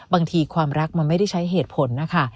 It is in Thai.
บางทีความรักมันไม่ได้ใช้เหตุผลนะคะ